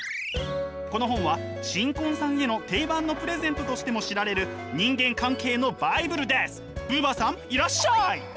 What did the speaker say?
この本は新婚さんへの定番のプレゼントとしても知られるブーバーさんいらっしゃい！